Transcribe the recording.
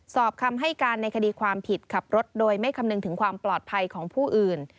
สอบคำให้การในคดีความผิดขับรถโดยไม่คำนึงถึงความปลอดภัยของผู้อื่น